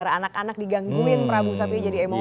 karena anak anak digangguin prabu sabi jadi emosi